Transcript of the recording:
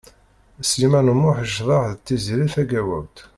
Sliman U Muḥ yecḍeḥ d Tiziri Tagawawt.